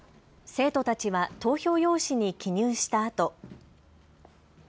生徒たちは投票用紙に記入したあと。